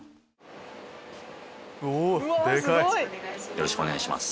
よろしくお願いします。